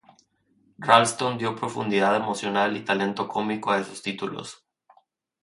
Ralston dio profundidad emocional y talento cómico a esos títulos.